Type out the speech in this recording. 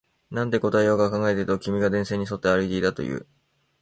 なんて答えようか考えていると、君が電線に沿って歩いていたと言う